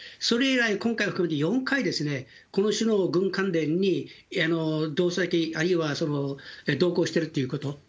それ以来、今回を含めて４回ですね、この種の軍関連に同席あるいは同行してるということ。